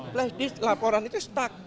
flash disk laporan itu stuck